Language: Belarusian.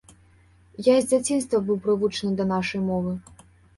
Я з дзяцінства быў прывучаны да нашай мовы.